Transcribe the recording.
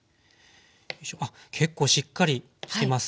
よいしょあっ結構しっかりしてます。